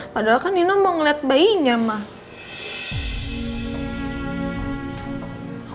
padahal kan nino mau ngeliat bayinya mah